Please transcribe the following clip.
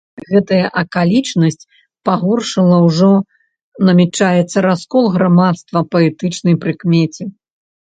Гэтая акалічнасць пагоршыла ўжо намячаецца раскол грамадства па этнічнай прыкмеце.